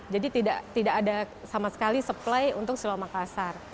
jadi tidak ada sama sekali supply untuk siloamakasar